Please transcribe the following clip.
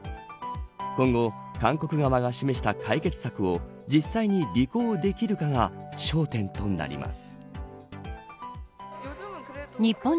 今後、韓国側が示した解決策を実際に履行できるかが焦点となります。